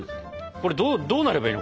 これどうなればいいの？